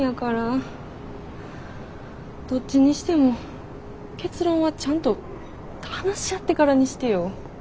どっちにしても結論はちゃんと話し合ってからにしてよ。